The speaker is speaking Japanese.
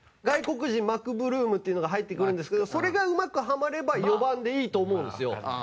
外国人マクブルームっていうのが入ってくるんですけどそれがうまくハマれば４番でいいと思うんですよ。